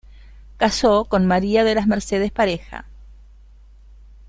Casó con María de las Mercedes Pareja.